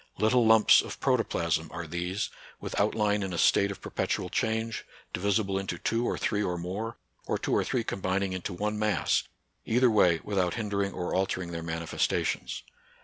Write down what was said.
Little lumps of protoplasm are these, with out line in a state of perpetual change, divisible into two or three or more, or two or three com NATURAL SCIENCE AND RELIGION. 15 billing into one mass, either way without hin dering or altering their manifestations.